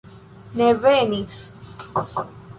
Ne venis.